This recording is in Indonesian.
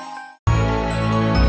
tuhan yang menangis